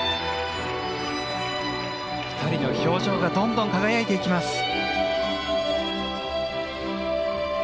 ２人の表情がどんどん輝いていきます。